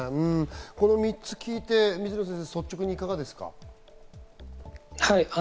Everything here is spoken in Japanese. この３つを聞いて水野先生、いかがですか？